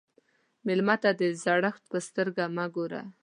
مېلمه ته د زړښت په سترګه مه ګوره.